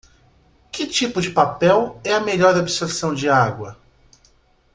Que tipo de papel é a melhor absorção de água?